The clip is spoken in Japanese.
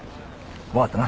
分かったな？